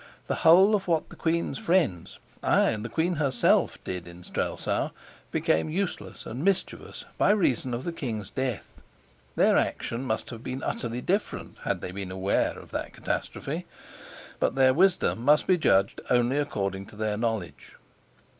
The whole of what the queen's friends, ay, and the queen herself, did in Strelsau, became useless and mischievous by reason of the king's death; their action must have been utterly different, had they been aware of that catastrophe; but their wisdom must be judged only according to their knowledge.